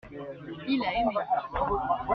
Il a aimé.